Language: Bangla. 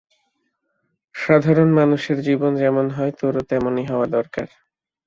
সাধারণ মানুষের জীবন যেমন হয় তোরও তেমনি হওয়া দরকার।